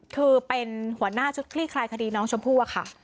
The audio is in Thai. คือเป็นหัวหน้าชุดคลี่คลายคดีน้องชมพู่อะค่ะ